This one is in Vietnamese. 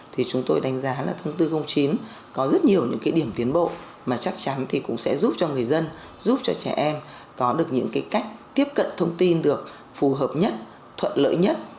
thì chúng tôi đánh giá là thông tư chín có rất nhiều những cái điểm tiến bộ mà chắc chắn thì cũng sẽ giúp cho người dân giúp cho trẻ em có được những cái cách tiếp cận thông tin được phù hợp nhất thuận lợi nhất